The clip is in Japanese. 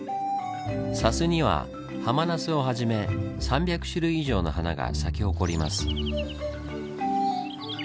砂州にはハマナスをはじめ３００種類以上の花が咲き誇ります。